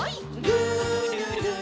「るるる」